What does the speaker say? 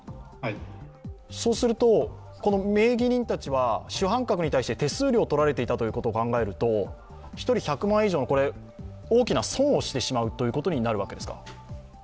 そうすると、この名義人たちは主犯格に対して手数料をとられていたと考えると１人１００万以上の大きな損をしてしまうことになるわけですか？